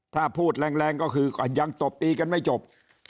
ถ้าพูดแรงก็คือยังตบตีกันไม่จบ